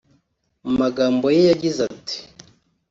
mu magambo ye yagize ati